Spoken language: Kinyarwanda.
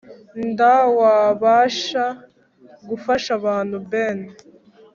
Nda wabashha gufasha abantu ben